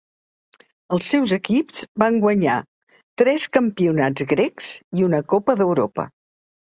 Els seus equips van guanyar tres campionats grecs i una Copa d'Europa.